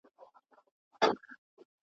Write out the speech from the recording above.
دا ویډیو په ټوله نړۍ کې کتل شوې ده.